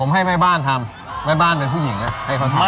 ให้แม่บ้านทำแม่บ้านเป็นผู้หญิงให้เขาทำ